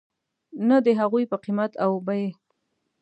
نه د هغوی په قیمت او بیې .